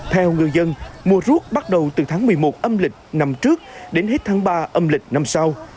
theo người dân mùa rút bắt đầu từ tháng một mươi một âm lịch năm trước đến hết tháng ba âm lịch năm sau